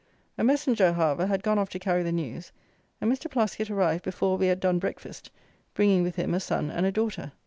A messenger, however, had gone off to carry the news, and Mr. Plaskitt arrived before we had done breakfast, bringing with him a son and a daughter.